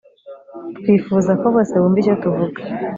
twifuza ko bose bumva icyo tuvuga